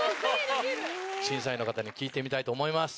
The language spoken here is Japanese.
審査員の方に聞いてみたいと思います。